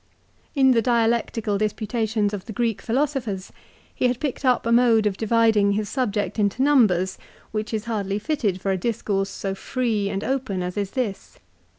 In the dialectical disputations of the Greek philosophers he had picked up a mode of dividing his subject into numbers which is hardly fitted for a discourse so free and open as is this.